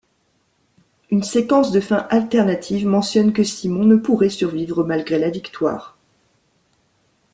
Une séquence de fin alternative mentionne que Simon ne pourrait survivre malgré la victoire.